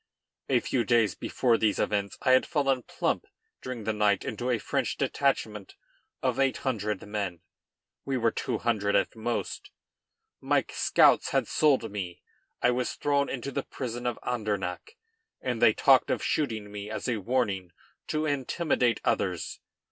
A few days before these events I had fallen plump, during the night, into a French detachment of eight hundred men. We were two hundred at the most. My scouts had sold me. I was thrown into the prison of Andernach, and they talked of shooting me, as a warning to intimidate others.